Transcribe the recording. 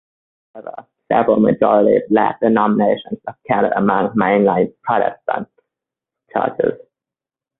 However, several majority-black denominations are counted among mainline Protestant churches.